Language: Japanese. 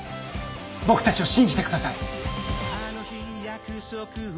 僕たちを信じてください